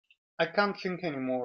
I can't think any more.